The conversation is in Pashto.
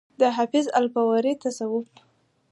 د حافظ الپورئ تصوف